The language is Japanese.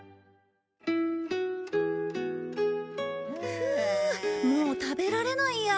フウーもう食べられないや。